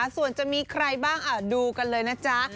ส่วนจะมีใครบ้างดูกันเลยนะจ๊ะ